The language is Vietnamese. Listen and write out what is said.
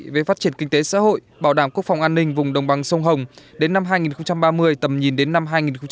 về phát triển kinh tế xã hội bảo đảm quốc phòng an ninh vùng đồng bằng sông hồng đến năm hai nghìn ba mươi tầm nhìn đến năm hai nghìn bốn mươi năm